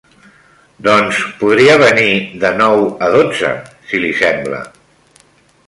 Doncs podria venir de nou a dotze, si li sembla.